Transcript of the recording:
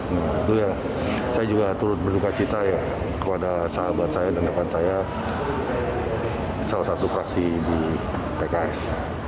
saya juga turut berduka cita kepada sahabat saya dan depan saya salah satu fraksi di pks